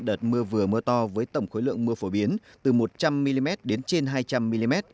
đợt mưa vừa mưa to với tổng khối lượng mưa phổ biến từ một trăm linh mm đến trên hai trăm linh mm